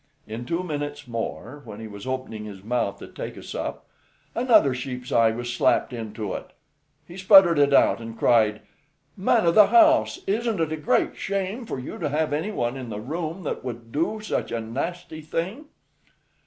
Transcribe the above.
In two minutes more, when he was opening his mouth to take a sup, another sheep's eye was slapped into it. He sputtered it out, and cried, "Man o' the house, isn't it a great shame for you to have any one in the room that would do such a nasty thing?"